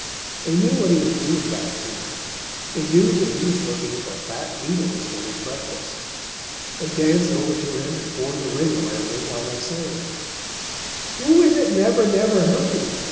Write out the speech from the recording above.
They knew what he was doing that for. They knew that he was looking for fat beetles for his breakfast. They danced over to him and formed a ring around him while they sang: "Who is it never, never hurries?